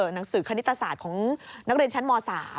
หนังสือคณิตศาสตร์ของนักเรียนชั้นม๓